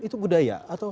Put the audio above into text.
itu budaya atau